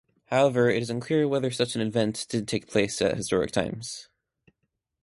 However it is unclear whether such an event did take place at historic times.